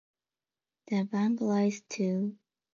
The bank lies to the west of Owen Anchorage.